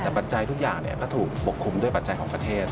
แต่ปัจจัยทุกอย่างก็ถูกปกคลุมด้วยปัจจัยของประเทศ